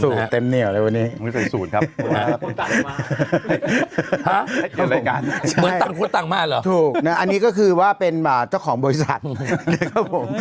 สูตรเต็มเหนี่ยวเลยวันนี้ไม่ใช่สูตรครับเหมือนตังค์คุณตังมากหรอถูกอันนี้ก็คือว่าเป็นอ่าเจ้าของบริษัทครับผม